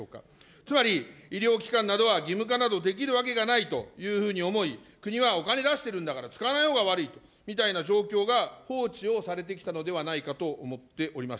つまり、医療機関などは義務化などできるわけがないというふうに思い、国はお金出してるんだから、使わないほうが悪いみたいな状況が放置をされてきたのではないかと思っております。